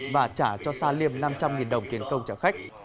và trả cho sa liêm năm trăm linh đồng tiền công trả khách